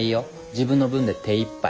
自分の分で手いっぱい。